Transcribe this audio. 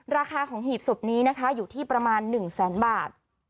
ราคาของหีบศพนี้นะคะอยู่ที่ประมาณ๑แสนบาท